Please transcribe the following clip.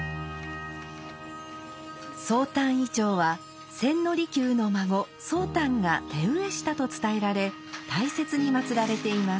宗旦銀杏は千利休の孫宗旦が手植えしたと伝えられ大切にまつられています。